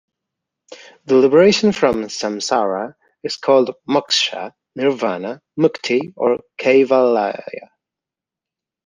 The liberation from "Saṃsāra" is called Moksha, Nirvana, Mukti or Kaivalya.